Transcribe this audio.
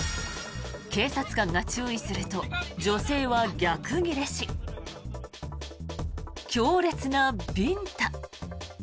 警察官が注意すると女性は逆ギレし強烈なビンタ。